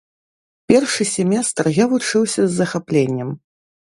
Першы семестр я вучыўся з захапленнем.